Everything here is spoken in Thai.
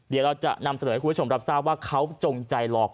เดี๋ยวเราจะนำเสนอให้คุณผู้ชมรับทราบว่าเขาจงใจหลอก